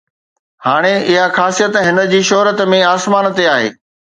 هاڻي اها خاصيت هن جي شهرت ۾ آسمان تي آهي